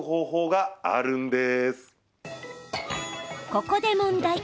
ここで問題。